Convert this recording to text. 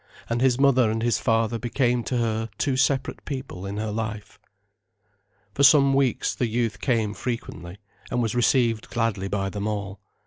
And his mother and his father became to her two separate people in her life. For some weeks the youth came frequently, and was received gladly by them all.